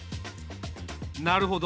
なるほど。